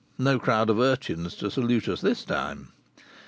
No crowd of urchins to salute us this time!